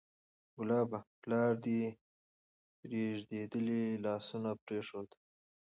کلابه! پلار دې رېږدېدلي لاسونه پرېښود